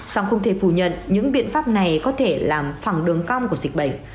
song không thể phủ nhận những biện pháp này có thể làm phẳng đường cong của dịch bệnh